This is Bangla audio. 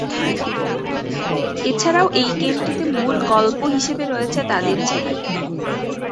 এছাড়াও এই গেমটিতে মূল গল্প হিসেবে রয়েছে তাদের ছেলে।